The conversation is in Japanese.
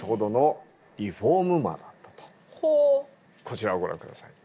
こちらをご覧下さい。